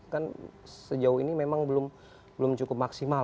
kan sejauh ini memang belum cukup maksimal